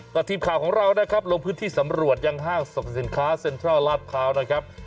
ทีมข่าวของเรานะครับลงพื้นที่สำรวจยังห้างสรรพสินค้าเซ็นทรัลลาดพร้าวนะครับ